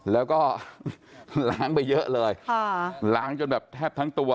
แล้วก็ล้างไปเยอะเลยค่ะล้างจนแบบแทบทั้งตัว